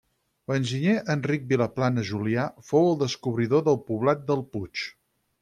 L'enginyer Enric Vilaplana Julià fou el descobridor del poblat del Puig.